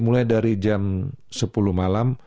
mulai dari jam sepuluh malam